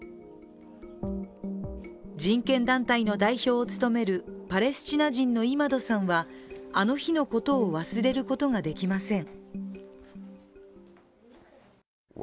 人権団体の代表を務めるパレスチナ人のイマドさんは、あの日のことを忘れることができません。